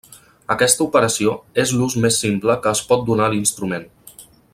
Aquesta operació és l'ús més simple que es pot donar a l'instrument.